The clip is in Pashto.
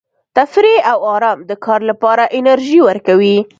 تفریح او ارام د کار لپاره انرژي ورکوي.